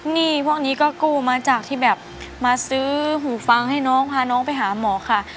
หนี้พวกนี้ก็กู้มาจากที่แบบมาซื้อหูฟังให้น้องพาน้องไปหาหมอค่ะ